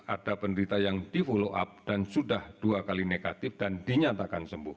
ada penderita yang di follow up dan sudah dua kali negatif dan dinyatakan sembuh